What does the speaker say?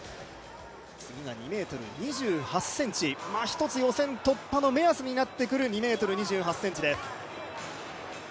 次が２ｍ２８ｃｍ一つ、予選突破の目安になってくる２ｍ２８ｃｍです。